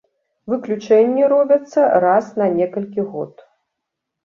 Выключэнні робяцца раз на некалькі год.